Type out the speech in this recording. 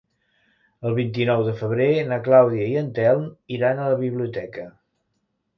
El vint-i-nou de febrer na Clàudia i en Telm iran a la biblioteca.